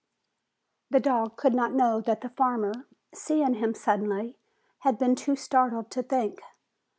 The dog could not know that the farmer, seeing him suddenly, had been too startled to think.